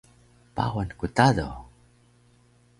Pawan ku Tado